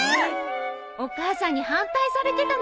お母さんに反対されてたのよ。